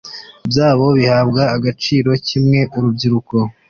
byabo bihabwa agaciro kimwe urubyiruko